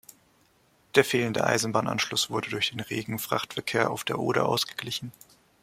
Der fehlende Eisenbahnanschluss wurde durch den regen Frachtverkehr auf der Oder ausgeglichen.